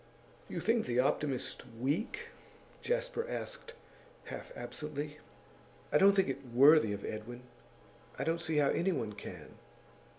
'You think "The Optimist" weak?' Jasper asked, half absently. 'I don't think it worthy of Edwin; I don't see how anyone can.